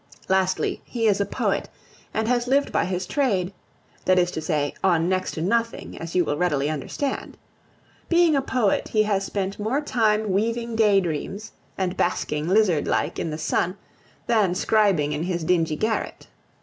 Lastly, he is a poet, and has lived by his trade that is to say, on next to nothing, as you will readily understand. Being a poet, he has spent more time weaving day dreams, and basking, lizard like, in the sun, than scribing in his dingy garret.